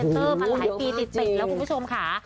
มีความผลายปีติดติดแล้วคุณผู้ชมค่ะ